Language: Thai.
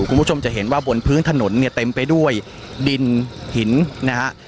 คุณผู้ชมจะเห็นว่าบนพื้นถนนเต็มไปด้วยดินหิน